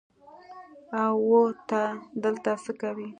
او او ته دلته څه کوې.